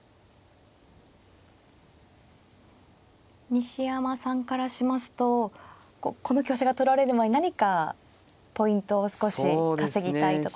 西山さんからしますとこの香車が取られる前に何かポイントを少し稼ぎたいところですか。